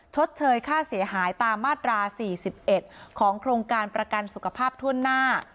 ชดเชยค่าเสียหายตามมาตรา๔๑ของโครงการประกันสุขภาพถ้วนหน้า